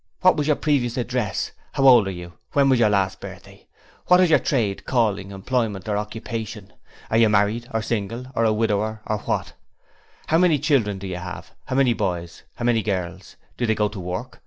'What was your previous address?' 'How old are you? When was your last birthday?' 'What is your Trade, Calling, Employment, or Occupation?' 'Are you Married or single or a Widower or what?' 'How many children have you? How many boys? How many girls? Do they go to work?